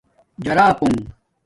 جَارا پُݸنݣ